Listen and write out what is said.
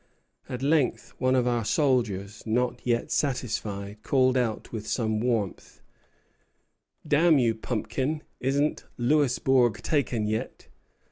At length one of our soldiers, not yet satisfied, called out with some warmth: 'Damn you, Pumpkin, isn't Louisbourg taken yet?'